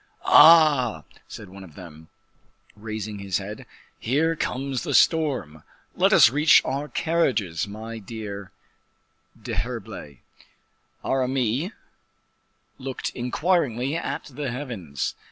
"Ah!" said one of them, raising his head, "here comes the storm. Let us reach our carriages, my dear D'Herblay." Aramis looked inquiringly at the heavens.